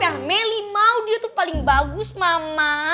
yang meli mau dia tuh paling bagus mama